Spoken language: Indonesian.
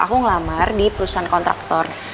aku ngelamar di perusahaan kontraktor